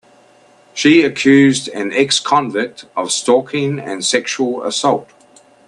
She accused an ex-convict of stalking and sexual assault.